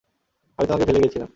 আমি তোমাকে ফেলে গিয়েছিলাম।